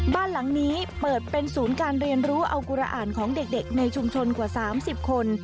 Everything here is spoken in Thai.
บ้านหลังนี้เปิดเป็นศูนย์การเรียนรู้เอากุระอ่านของเด็กในชุมชนกว่า๓๐คน